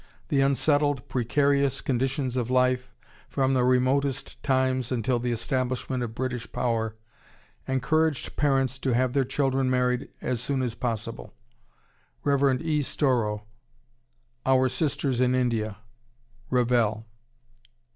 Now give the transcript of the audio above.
The unsettled, precarious conditions of life, from the remotest times until the establishment of British power, encouraged parents to have their children married as soon as possible. (Rev. E. Storrow, "Our Sisters in India." Revell.)